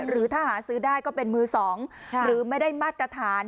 หรือถ้าหาซื้อได้ก็เป็นมือ๒หรือไม่ได้มาตรฐาน